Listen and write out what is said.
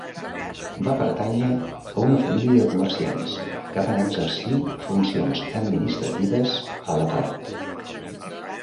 Va pertànyer a una família de comerciants que van exercir funcions administratives a la cort.